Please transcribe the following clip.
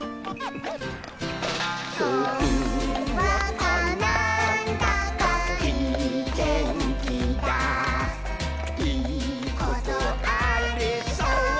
「ほんわかなんだかいいてんきだいいことありそうだ！」